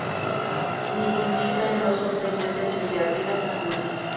Nidifica en dos o tres veces desde abril hasta junio.